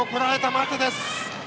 待てです。